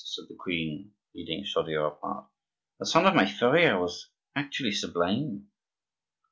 said the queen, leading Chaudieu apart. "The son of my furrier was actually sublime."